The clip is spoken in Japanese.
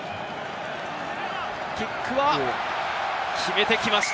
キックは決めてきました！